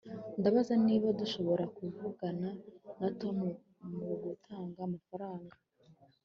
ndabaza niba dushobora kuvugana na tom mugutanga amafaranga